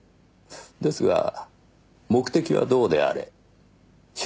ですが目的はどうであれ手段は違法です。